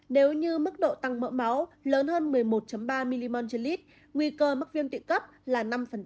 nếu như mức độ tăng mỡ máu lớn hơn một mươi một ba mmol trên lít nguy cơ mắc viêm cấp là năm